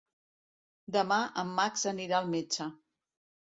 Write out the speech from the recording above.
Demà en Max anirà al metge.